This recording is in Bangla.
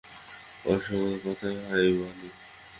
ওঁর সঙ্গে কথায় হার মানি।